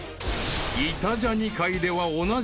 ［イタジャニ界ではおなじみ］